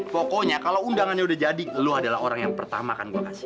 pokoknya kalau undangannya udah jadi lo adalah orang yang pertama kan gue kasih